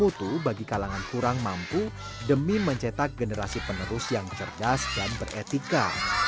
butuh bagi kalangan kurang mampu demi mencetak generasi penerus yang cerdas dan beretika